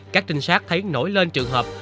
các trinh sát thấy nổi lên trường hợp